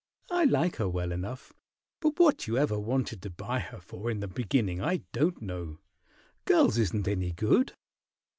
I like her well enough, but what you ever wanted to buy her for in the beginning I don't know. Girls isn't any good."